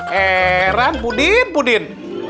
heran pudin pudin